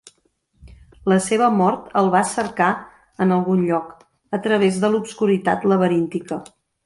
La seva mort el va cercar en algun lloc, a través de l'obscuritat laberíntica.